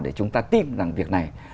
để chúng ta tin rằng việc này